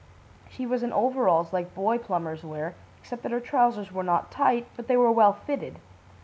She was in overalls like boy plumbers wear, except that her trousers were not tight, but they were well fitted.